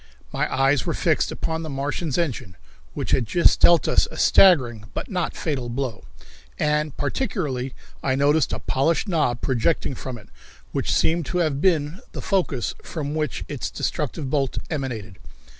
My eyes were fixed upon the Martians' engine, which had just dealt us a staggering, but not fatal, blow, and particularly I noticed a polished knob projecting from it, which seemed to have been the focus from which its destructive bolt emanated.